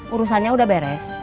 urusannya udah beres